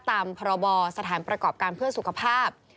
ตามพรบสถานประกอบการเพื่อสุขภาพ